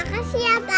yeay makasih ya pa